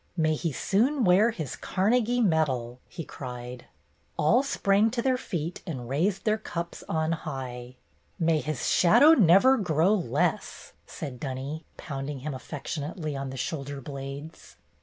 May he soon wear his Carnegie medal!" he cried. All sprang to their feet and raised their cups on high. 42 BETTY BAIRD'S GOLDEN YEAR ''May his shadow never grow less!" said Dunny, pounding him affectionately on the shoulder blades.